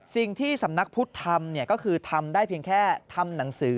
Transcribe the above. สิ่งที่สำนักพุทธทำก็คือทำได้เพียงแค่ทำหนังสือ